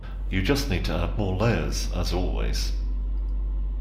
You just need to add more layers as always.